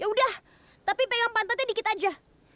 ya udah tapi pegang pantetnya dikit aja